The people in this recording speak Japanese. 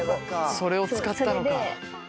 それを使ったのか。